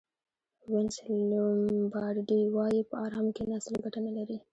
وینس لومبارډي وایي په ارامه کېناستل ګټه نه لري.